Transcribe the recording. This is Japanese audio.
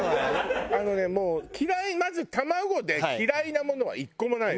あのねもう嫌いまず卵で嫌いなものは１個もないの。